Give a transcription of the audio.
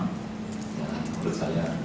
dan menurut saya